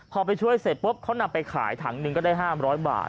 ก็ไปช่วยเสร็จเพราะเขานับไปขายถังนึงก็ได้๑๕บาท